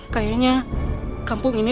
kayaknya kampung ini